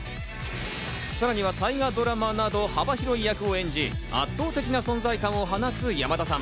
さらには大河ドラマなど、幅広い役を演じ、圧倒的な存在感を放つ山田さん。